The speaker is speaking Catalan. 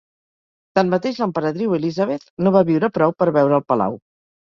Tanmateix, l'emperadriu Elizabeth no va viure prou per veure el palau.